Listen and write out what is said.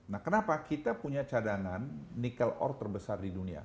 nah kenapa kita punya cadangan nikel ore terbesar di dunia